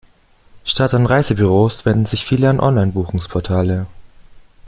Statt an Reisebüros wenden sich viele an Online-Buchungsportale.